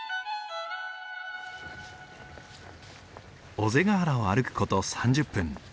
尾瀬ヶ原を歩く事３０分。